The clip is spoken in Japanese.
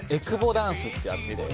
ダンスってやってて。